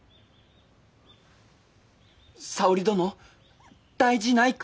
沙織殿大事ないか？